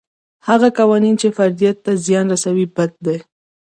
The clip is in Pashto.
هغه قوانین چې فردیت ته زیان رسوي بد دي.